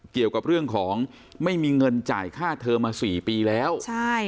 เกี่ยวกับเรื่องของไม่มีเงินจ่ายค่าเธอมาสี่ปีแล้วใช่